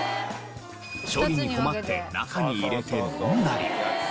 処分に困って中に入れて飲んだり。